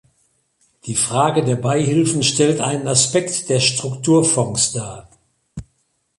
Die Frage der Beihilfen stellt einen Aspekt der Strukturfonds dar.